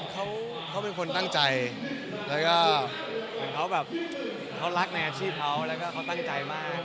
เขาเป็นคนตั้งใจแล้วก็เขารักในอาชีพเขาแล้วก็เขาตั้งใจมาก